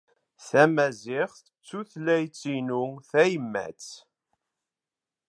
Tamaziɣt d tutlayt-inu tayemmat.